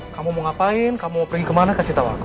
kamu mau ngomong ngapain kamu mau pergi kemana kasih tau aku